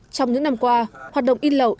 trong những năm qua hoạt động in lậu